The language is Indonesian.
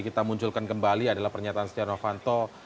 kita munculkan kembali adalah pernyataan stiano vanto